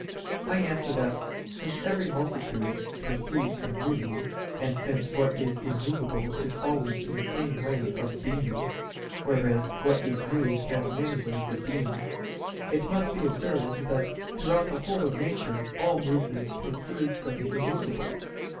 I answer that, Since every multitude proceeds from unity; and since what is immovable is always in the same way of being, whereas what is moved has many ways of being: it must be observed that throughout the whole of nature, all movement proceeds from the immovable.